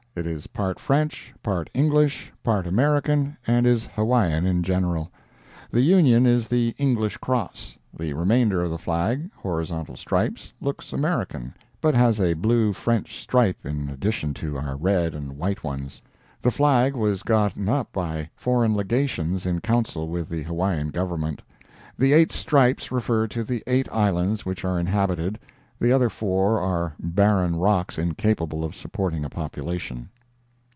It is part French, part English, part American and is Hawaiian in general. The union is the English cross; the remainder of the flag (horizontal stripes) looks American, but has a blue French stripe in addition to our red and white ones. The flag was gotten up by foreign legations in council with the Hawaiian Government. The eight stripes refer to the eight islands which are inhabited; the other four are barren rocks incapable of supporting a population.